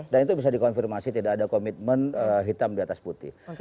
dan itu bisa dikonfirmasi tidak ada komitmen hitam di atas putih